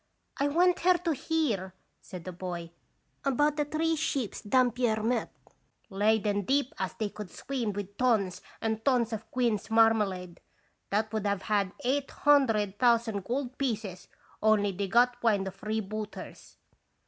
" I want her to hear," said the boy, " about the three ships Dampier met, laden deep as they could swim with tons and tons of quince marmalade, that would have had eight hun dred thousand gold pieces only they got wind of freebooters."